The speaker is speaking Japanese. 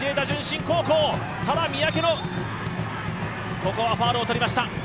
ここはファウルを取りました。